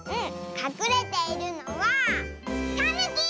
かくれているのはタヌキ！